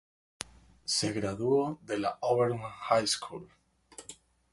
Se graduó de de la Overton High School.